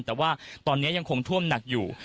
แต่ว่าตอนนี้ยังคงท่วมหนักอยู่